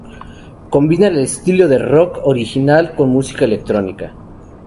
Combina el estilo de rock original con música electrónica.